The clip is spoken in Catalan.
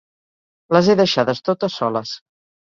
Les he deixades totes soles.